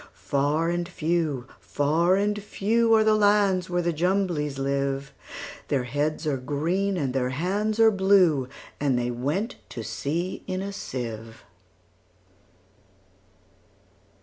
Far and few, far and few, Are the lands where the Jumblies live:Their heads are green, and their hands are blue; And they went to sea in a sieve.